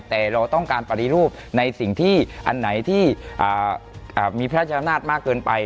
แต่เราต้องการปฏิรูปในสิ่งที่อันไหนที่มีพระราชอำนาจมากเกินไป